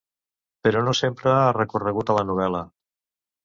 Però no sempre ha recorregut a la novel·la.